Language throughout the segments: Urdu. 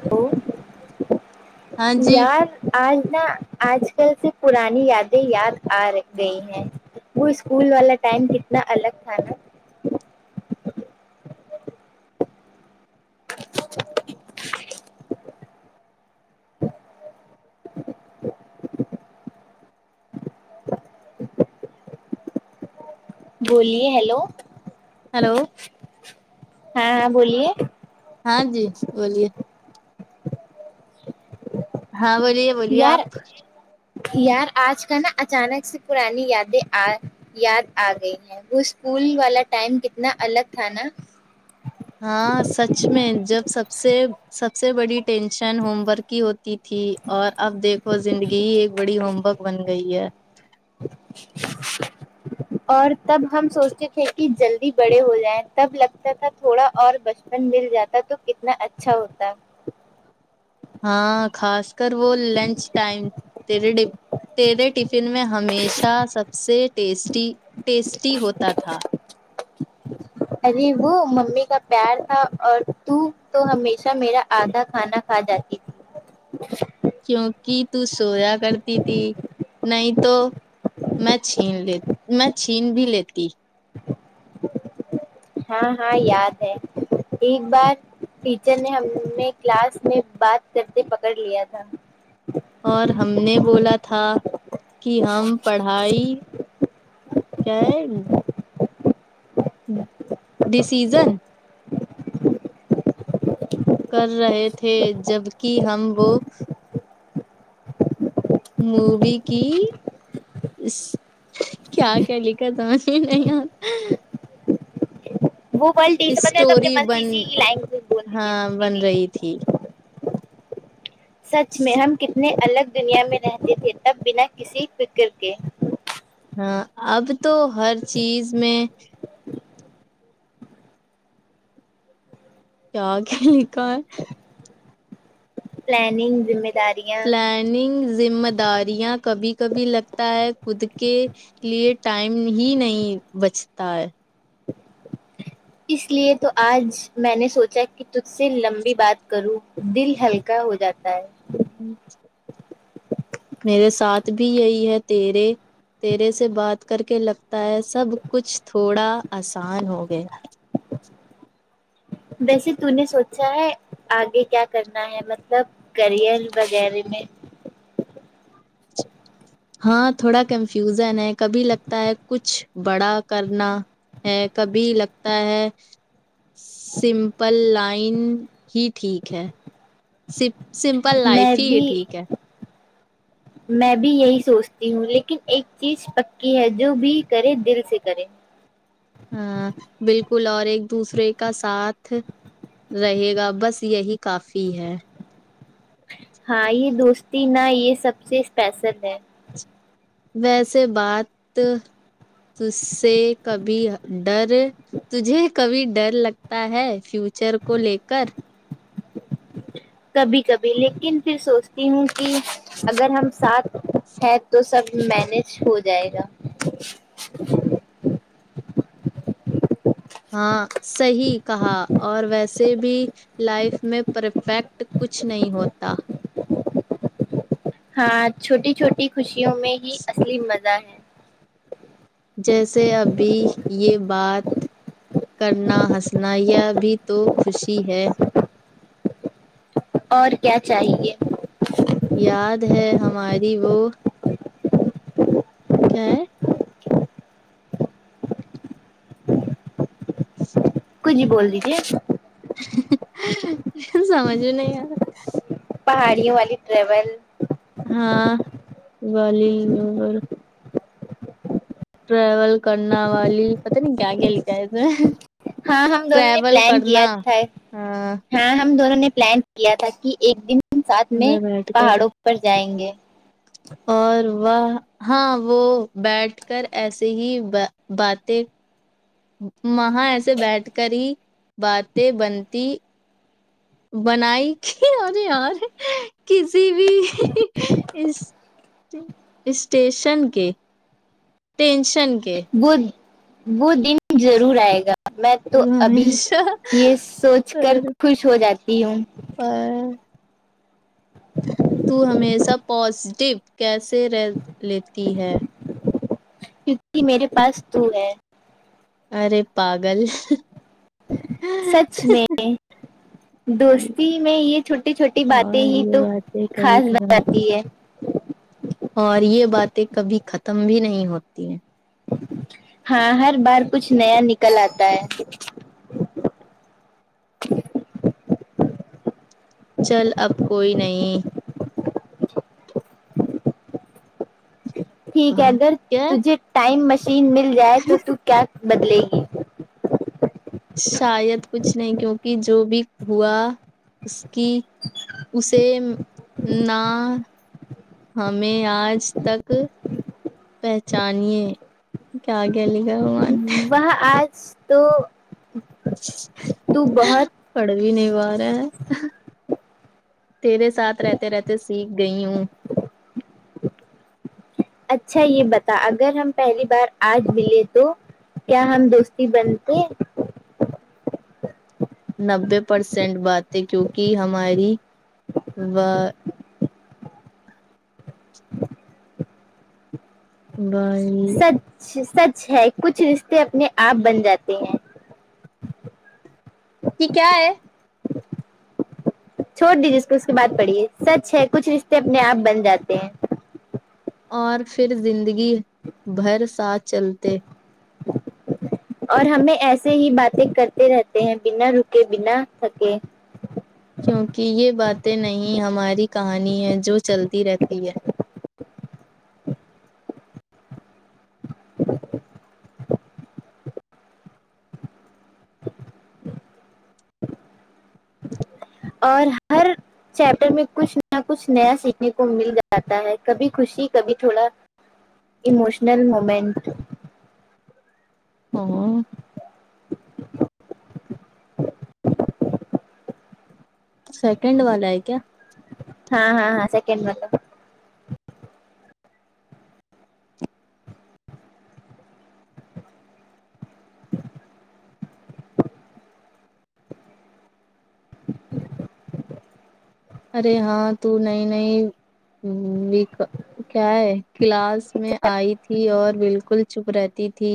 ہلو ہاں جی یار آج نہ آج کل سے پرانی یادیں یاد آ گئی ہیں وہ اسکول والا ٹائم کتنا الگ تھا نا بولیے ہیلو ہیلو ہاں ہاں بولیے ہاں جی بولیے ہاں بولیے بولیے یار آپ یار آج کل نا اچانک سے پرانی یادیں آ یاد آ گئی ہے وہ اسکول والا ٹائم کتنا الگ تھا نا ہاں سچ میں جب سب سے سب سے بڑی ٹینشن ہوم ورک کی ہو تھی اور اب دیکھو زندگی ایک بڑی ہوم ورک بن گئی ہے اور تب ہم سوچتے تھے کی جلدی بڑے ہو جائےیں تب لگتا تھا تھوڑا اور بچ پن مل جاتا تو کتنا اچھا ہوتا ہاں خاص کر وہ لنچ ٹائم تے تیرے تیرے ٹی ٹفن میں ہمیشہ سب سے ٹیسٹی ٹیسٹی ہوتا تھا ارے وہ ممی کا پیار تھا اور تو تو ہمیشہ میرا آدھا کھانا کھا جاتی تھی کیونکہ تو سویا کرتی تھی نہیں تو میں چھین لیتی میں چھین بھی لیتی ہاں ہاں یاد ہے ایک بار ٹیچر نے ہمیں کلاس میں بات کرتے پکڑ لیا تھا اور ہم نے بولا تھا کہ ہم پڑھائی کیا یں ڈسیزن کر رہے تھے جبک ہم وہ مووی کی اس کیا کیا لکھا سمجھ نہیں آتا وہ بولتی سمجھ میں تو اپنے اسٹوری من سے بن اسی کی لائگج بول دیجیے ہاں بن دیدی رہی تھی [unintelligible] سچ میں ہم کتنے الگ دنیا میں رہتے تھے تب بنا کسی فکر کے ہاں اب تو ہر چیز میں کیا کیا لکھا ہے پلاننگ ویمن پلاننگ ذمہ داریاں کبھی کبھی لگتا ہے خود کے لیے ٹائم ہی نہیں بچتا ہے اس لیے تو آج میں نے سوچا کہ تجھ سے لمبی بات کروں دل ہل کا ہو جاتا ہے [unintelligible] میرے ساتھ بھی یہی ہے تیرے تیرے سے بات کر کے لگتا ہے سب کچھ تھوڑا آسان ہو گیا ویسے تو نے سوچا ہے آگے کیا کرنا ہے مطلب کرئر وغیرہ میں ہاں تھوڑا کنفیوزن ہے کبھی لگتا ہے کچھ بڑا کرنا ہے کبھی لگتا ہے سمپل لائن ہی ٹھیک ہے سپ میں بھی میں بھی یہی سوچتی ہوں لیکن ایک چیز پکی ہے جو بھی کرے دل سے کرے ہاں بالکل اور ایک دوسرے کا ساتھ رہے گا بس یہی کافی ہے ہاں یہ دوستی نا یہ سب سے اسپیشل ہے ویسے بات چس سے کبھی ڈر تجھے کبھی ڈر لگتا ہے فیوچر کو لے کر کبھی کبھی لیکن پھر سوچتی ہوں کہ اگر ہم ساتھ ہیں تو سب مینج ہو جائے گا ہاں صیح کہا اور ویسے بھی لائف میں پرفیکٹ کچھ نہیں ہوتا ہاں چھوٹی چھوٹی خوشیوں میں ہی اصلی مزہ ہے جیسے ابھی یہ بات کرنا ہسنا یہ بھی تو خوشی ہے اور کیا چاہیے یاد ہے ہماری وہ کیا ہے کچھ بول دیجیے سمجھ میں نہیں آرا پہاڑیوں والی ٹریول ہاں گال [unintelligible] ٹریول کرنا والی پتا نہیں کیا کیا لکھا ہے اس میں ہاں ہم دونوں نے ٹریول پلان کیا کرنا تھا ہاں ہاں ہم دونوں نے پلان کیا تھا کہ ایک دن ہم ساتھ میں بیٹھ کر پہاڑوں پر جائیں گے [inaudible] اور وہ ہاں وہ بیٹھ کر ایسے ہی با باتیں وہاں ایسے بیٹھ کر ہی باتیں بنتی بنائی کہ ارے یار کسی بھی [inaudible] اس اسٹیشن کے ٹینشن کے وہ وہ دن ضرور آئے گا میں تو ابھی یہ سوچ کر خوش ہو جاتی ہوں اور تو ہمیشہ پوازیٹیو کیسے رہ لیتی ہے کیونکہ میرے پاس تو ہے ارے پاگل سچ میں دوستی میں یہ چھوٹی چھوٹی باتیں اور ہی یہ تو باتیں کبھی خاص کبھار بناتی ہے اور یہ باتیں کبھی ختم بھی نہیں ہوتی ہیں ہاں ہر بار کچھ نیا نکل آتا ہے چل اب کوئی نہیں ٹھیک ہے اگر بات کیا تجھے ٹائم مشین مل جائے تو تو کیا بدلے گی شاید کچھ نہیں کیونکہ جو بھی ہوا اس کی اسے نہ ہمیں آج تک پہچانیے کیا کیا لکھے وا وہ آج تو تو بہت پڑھ بھی نہیں پا رہے ہیں تیرے ساتھ رہتے رہتے سیکھ گئی ہوں اچھا یہ بتا اگر ہم پہلی بار آج ملے تو کیا ہم دوستی بنتے نبے پرسینٹ باتیں کیونکہ ہماری وا بائے سچ سچ ہے کچھ رشتے اپنے آپ بن جاتے ہیں یہ کیا ہے چھوڑ دیجیے اس کو اس کے بعد پڑھیے سچ ہے کچھ رشتے اپنے آپ بن جاتے ہیں اور پھر زندگی بھر ساتھ چلتے [inaudible] اور ہمیں ایسے ہی باتیں کرتے رہتے ہیں بنا رکے بنا تھکے کیونکہ یہ باتیں نہیں ہماری کہانی ہے جو چلتی رہتی ہے اور ہر چیپٹر میں کچھ نہ کچھ نیا سیکھنے کو مل جاتا ہے کبھی خوشی کبھی تھوڑا اموشنل مومنٹ ہاں سیکنڈ والا ہے کیا ہاں ہاں ہاں سیکنڈ والا ارے ہاں تو نئی نئی ویک کیا ہے کلاس میں آئی تھی اور بالکل چپ رہتی تھی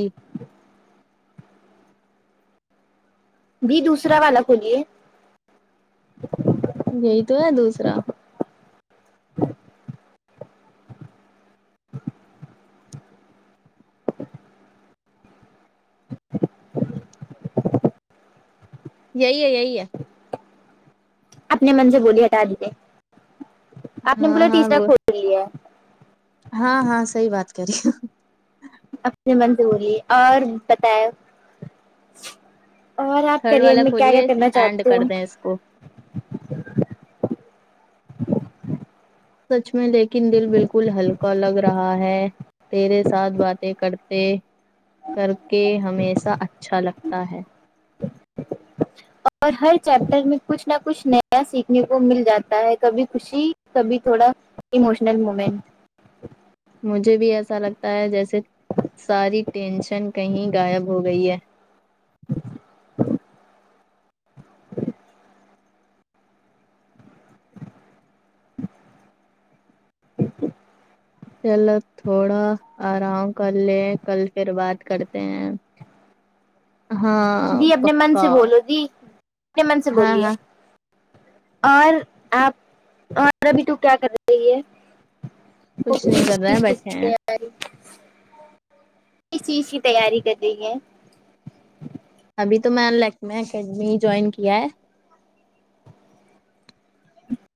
بی دوسرا والا کھولیے یہی تو ہے دوسرا [inaudible] یہی ہے یہی ہے اپنے من سے بولیے ہٹا دیجئے آپ نے ہاں بولا ہاں تیسرا وہ کھول لیا ہاں ہاں صحیح بات کررہی ہو اپنے من سے بولیے اور بتاے اور آپ تھرڈ کریئر والا میں کیا کیا کھولیے کرنا اینڈ چاہتی ہو کر دیں اس کو سچ میں لیکن دل بالکل ہلکا لگ رہا ہے تیرے ساتھ باتیں کر کے کر کے ہمیشہ اچھا لگتا ہے [inaudible] اور ہر چیپٹر میں کچھ نہ کچھ نیا سیکھنے کو مل جاتا ہے کبھی خوشی کبھی تھوڑا اموشنل مومنٹ مجھے بھی ایسا لگتا ہے جیسے ساری ٹینشن کہیں غائب ہو گئی ہے [inaudible] چلو تھوڑا آرام کر لے کل پھر بات کرتے ہیں ہاں دی اپنے من سے پکا بولو دی اپنے من سے ہاں بولیے ہاں اور آپ اور ابھی تو کیا کر رہی ہے کچھ نہیں کر رہے ہیں [unintelligible] بیٹھے ہیں کس چیز کی تیاری کر رہی ہے ابھی تو میں لیکمے اکیڈمی جوائن کیا ہے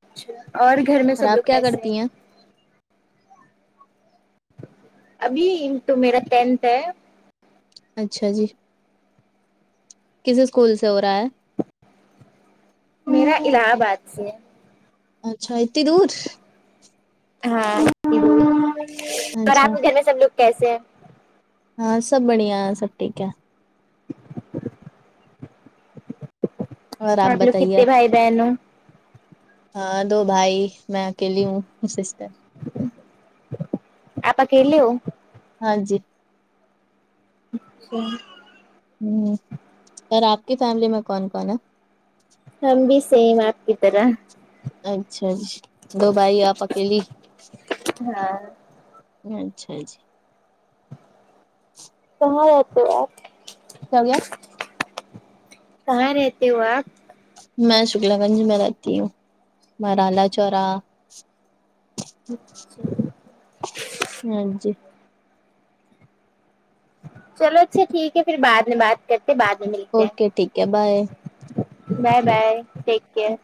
اچھا اور گھر میں اور سب آپ لوگ کیا کیسے ہیں کرتی ابھی تو میرا ٹینتھ ہے اچھا جی کس اسکول سے ہو رہا ہے میرا الہ آباد سے ہے اچھا اتی دور ہاں اور اچھا آپ کے گھر میں سب لوگ کیسے ہیں ہاں سب بڑھیا سب ٹھیک ہے اور آپ لوگ بتائیے کتنے بھائی بہن ہو ہاں دو بھائی میں اکیلی ہوں سسٹر آپ اکیلے ہو ہاں جی اچھا ہوں اور آپ کی فیملی میں کون کون ہے ہم بھی سیم آپ کی طرح اچھا جی دو بھائی آپ اکیلی ہاں اچھا جی کہاں رہتے ہو آپ کیا ہو گیا کہاں رہتے ہو آپ میں شکلا گنج میں رہتی ہوں مرالا چوراہا اچھا ہاں جی چلو اچھا ٹھیک ہے پھر بعد میں بات کرتے بعد میں ملتے ہیں اوکے ٹھیک ہے بائے بائے بائے ٹیک کیر